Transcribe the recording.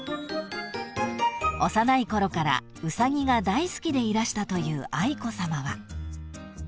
［幼いころからウサギが大好きでいらしたという愛子さまは］